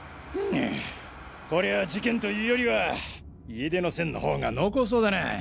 こりゃあ事件というよりは家出の線の方が濃厚そうだな。